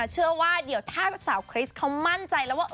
เชื่อว่าเดี๋ยวถ้าสาวคริสต์เขามั่นใจแล้วว่า